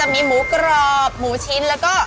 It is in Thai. แล้วจะมีหมูกรอบหมูชิ้นแล้วก็